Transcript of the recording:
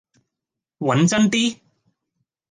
揾真啲